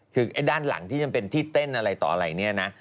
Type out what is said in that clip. คือไอ้ด้านหลังที่มันเป็นที่เต้นอะไรต่ออะไรเนี่ยนะ